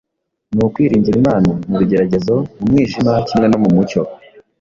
ni ukwiringira Imana mu bigeragezo, mu mwijima kimwe no mu mucyo.